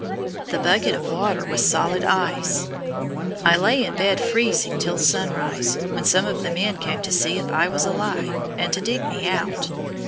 The bucket of water was solid ice. I lay in bed freezing till sunrise, when some of the men came to see if I "was alive," and to dig me out.